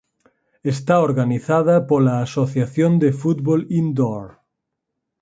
Está organizada pola Asociación de Fútbol Indoor.